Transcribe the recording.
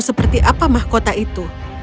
seperti apa mahkota itu